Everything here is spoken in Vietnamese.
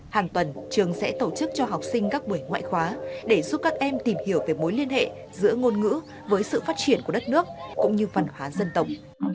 hàng tuần trường sẽ tổ chức cho học sinh các buổi ngoại khóa để giúp các em tìm hiểu về mối liên hệ giữa ngôn ngữ với sự phát triển của đất nước cũng như văn hóa dân tộc